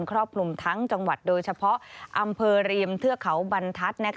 ครอบคลุมทั้งจังหวัดโดยเฉพาะอำเภอเรียมเทือกเขาบรรทัศน์